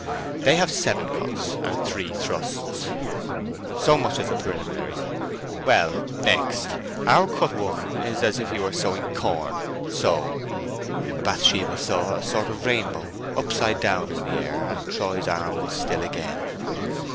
They have seven cuts and three thrusts. So much as a preliminary. Well, next, our cut one is as if you were sowing your corn—so." Bathsheba saw a sort of rainbow, upside down in the air, and Troy's arm was still again.